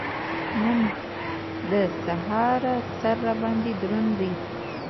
نن مې له سهاره سر را باندې دروند دی.